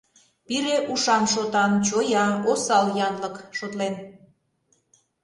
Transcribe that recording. Пире — ушан-шотан, чоя, осал янлык, шотлен.